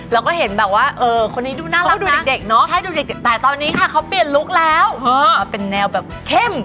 เราก็เห็นว่าเออคนนี้ดูน่ารับนะตามนี้เขาเปลี่ยนลุคแล้วเป็นแนวแบบเค้ม